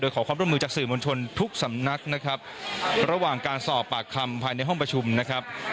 ขอความร่วมมือจากสื่อมวลชนทุกสำนักนะครับระหว่างการสอบปากคำภายในห้องประชุมนะครับ